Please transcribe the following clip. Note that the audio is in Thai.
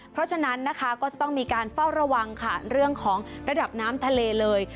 เพราะฉะนั้นนะคะก็จะต้องมีการเฝ้าระวังค่ะเรื่องของระดับน้ำทะเลเลย